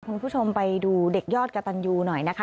คุณผู้ชมไปดูเด็กยอดกระตันยูหน่อยนะคะ